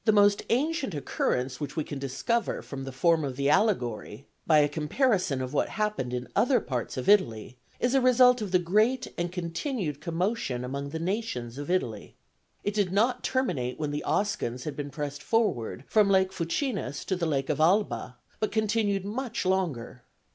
The most ancient occurrence which we can discover from the form of the allegory, by a comparison of what happened in other parts of Italy, is a result of the great and continued commotion among the nations of Italy. It did not terminate when the Oscans had been pressed forward from Lake Fucinus to the lake of Alba, but continued much longer.